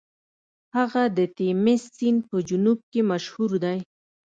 هغه د تیمس سیند په جنوب کې مشهور دی.